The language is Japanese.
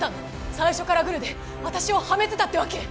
最初からグルで私をハメてたってわけ？